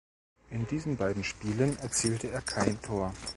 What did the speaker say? In diesen beiden Spielen erzielte er kein Tor.